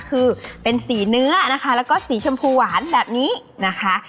คือเป็นสีเนื้อนะคะแล้วก็สีชมพูหวานแบบนี้นะคะ